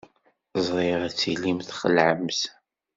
Ẓriɣ ad tilimt txelɛemt.